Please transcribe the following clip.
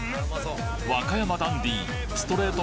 和歌山ダンディーストレート